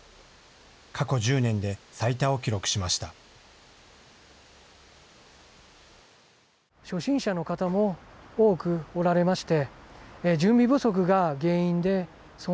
過去１０年で最多を記録しました。